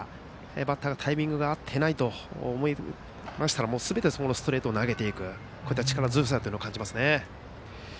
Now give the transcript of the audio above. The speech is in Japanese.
バッタータイミングが合っていないと思いましたらすべてストレートを投げていく力強さというのを感じますね。